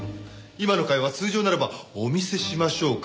今の会話通常ならば「お見せしましょうか？」